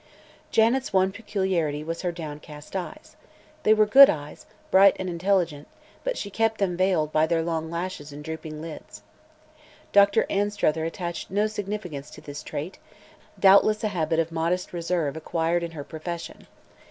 Janet's one peculiarity was her downcast eyes. They were good eyes, bright and intelligent, but she kept them veiled by their long lashes and drooping lids. Dr. Anstruther attached no significance to this trait, doubtless a habit of modest reserve acquired in her profession.